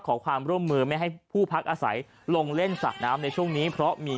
ขอความร่วมมือไม่ให้ผู้พักอาศัยลงเล่นสระน้ำในช่วงนี้เพราะมี